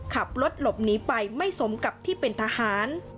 ขับรถหลบหนีไปไม่สมกับที่เป็นทหาร